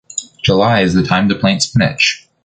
July is the time to plant spinach.